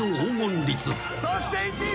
そして１位。